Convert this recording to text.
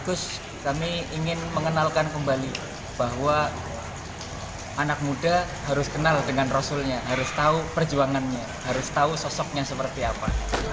bagus kami ingin mengenalkan kembali bahwa anak muda harus kenal dengan rasulnya harus tahu perjuangannya harus tahu sosoknya seperti apa